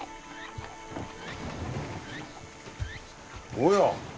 おや。